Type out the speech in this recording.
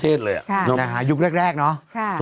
เบลล่าเบลล่า